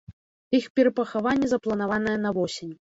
Іх перапахаванне запланаванае на восень.